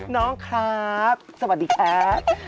น้องครับสวัสดีครับ